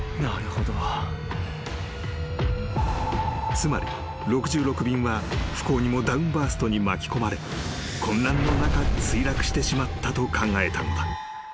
［つまり６６便は不幸にもダウンバーストに巻き込まれ混乱の中墜落してしまったと考えたのだ］